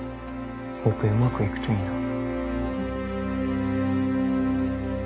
オペうまくいくといいな。